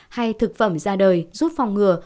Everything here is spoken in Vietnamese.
hay thực phẩm ra đời giúp phòng ngừa